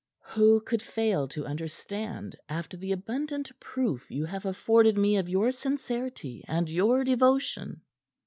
"Who could fail to understand, after the abundant proof you have afforded me of your sincerity and your devotion?"